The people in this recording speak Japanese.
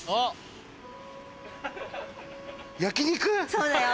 そうだよ。